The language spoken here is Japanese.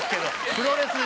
プロレスか。